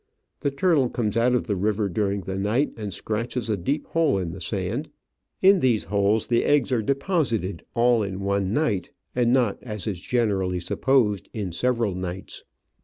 The turtle comes out of the river during the night and scratches a deep hole FINDING turtles' EGGS. in the sand ; in these holes the eggs are deposited all in one night, and not, as is generally supposed, in several nights.